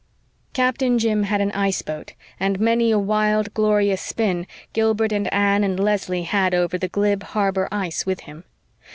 Captain Jim had an ice boat, and many a wild, glorious spin Gilbert and Anne and Leslie had over the glib harbor ice with him.